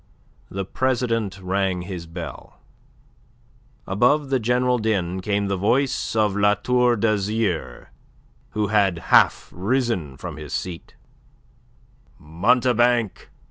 The President rang his bell. Above the general din came the voice of La Tour d'Azyr, who had half risen from his seat: "Mountebank!